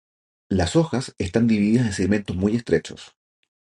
Las hojas están divididas en segmentos muy estrechos.